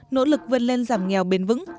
nỗ lực vươn lên giảm nghèo bền vững